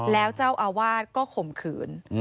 แล้วเจ้าอาวาสก็ข่มขืน